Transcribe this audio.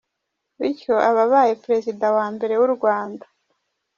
Bityo aba abaye Perezida wa mbere w’u Rwanda.